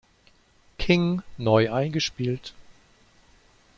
King neu eingespielt.